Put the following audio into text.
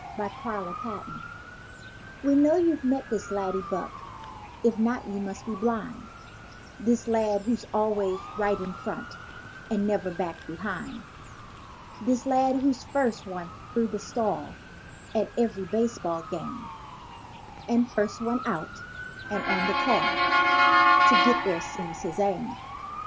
HE'S ALWAYS FIRST We know you've met this laddy buck, if not you must be blind; This lad who's always right in front and never back behind; This lad who's first one through the stile at every baseball game And first one out and on the car—to get there seems his aim.